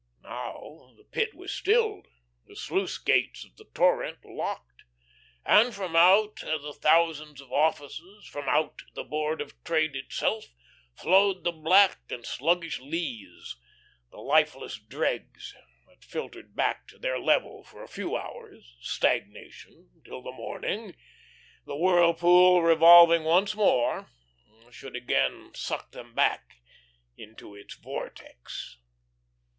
Now the Pit was stilled, the sluice gates of the torrent locked, and from out the thousands of offices, from out the Board of Trade itself, flowed the black and sluggish lees, the lifeless dregs that filtered back to their level for a few hours, stagnation, till in the morning, the whirlpool revolving once more, should again suck them back into its vortex.